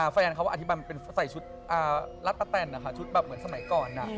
แฟนเขาก็อธิบายมันเป็นใส่ชุดรัฐปะแตนนะคะชุดแบบเหมือนสมัยก่อน